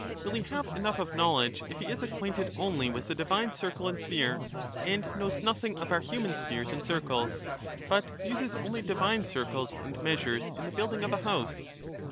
Will he have enough of knowledge if he is acquainted only with the divine circle and sphere, and knows nothing of our human spheres and circles, but uses only divine circles and measures in the building of a house